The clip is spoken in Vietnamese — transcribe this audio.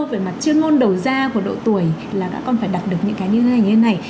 về mặt chuyên môn đầu gia của độ tuổi là các con phải đạt được những cái như thế này như thế này